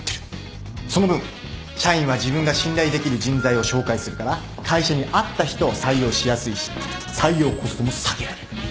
その分社員は自分が信頼できる人材を紹介するから会社に合った人を採用しやすいし採用コストも下げられる